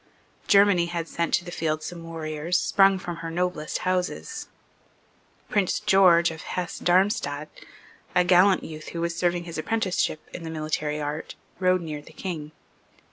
Germany had sent to the field some warriors, sprung from her noblest houses. Prince George of Hesse Darmstadt, a gallant youth who was serving his apprenticeship in the military art, rode near the King.